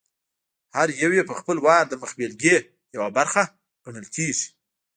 هر یو یې په خپل وار د مخبېلګې یوه برخه ګڼل کېږي.